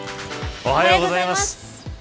おはようございます。